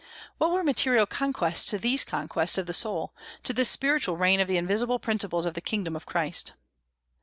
What were material conquests to these conquests of the soul, to this spiritual reign of the invisible principles of the kingdom of Christ?